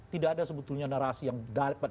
tidak ada sebetulnya narasi yang dapat